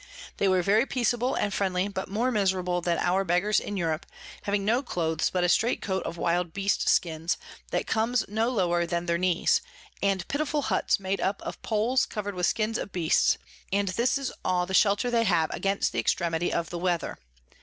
They were very peaceable and friendly, but more miserable than our Beggars in Europe, having no Clothes but a strait Coat of wild Beasts Skins, that comes no lower than their knees, and pitiful Hutts made up of Poles cover'd with Skins of Beasts; and this is all the shelter they have against the Extremity of the Weather.